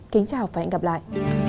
kính chào và hẹn gặp lại